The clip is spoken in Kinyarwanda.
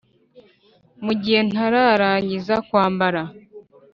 . Mu gihe ntararangiza kwambara,